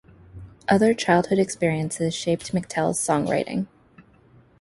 Other childhood experiences shaped McTell's songwriting.